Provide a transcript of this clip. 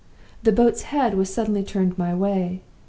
The boat's head was suddenly turned my way.